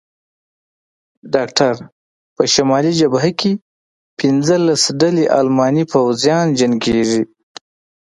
ډاکټر: په شمالي جبهه کې پنځلس ډلې الماني پوځیان جنګېږي.